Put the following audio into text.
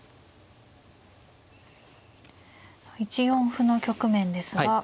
１四歩の局面ですが。